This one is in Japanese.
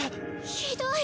ひどい。